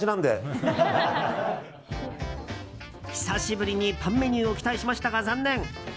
久しぶりにパンメニューを期待しましたが、残念。